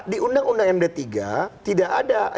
di undang undang md tiga tidak ada